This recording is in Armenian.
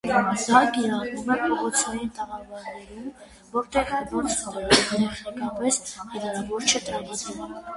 Դա կիրառվում է փողոցային տաղավարներում, որտեղ հնոց տեխնիկապես հնարավոր չէ տրամադրել։